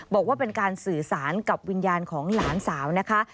บอกว่าเป็นการสื่อสารกับวิญญาณของหลานสาวนะคะ